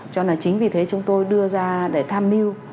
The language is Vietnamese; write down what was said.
cho nên chính vì thế chúng tôi đưa ra để tham mưu